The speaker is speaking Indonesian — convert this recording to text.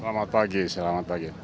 selamat pagi selamat pagi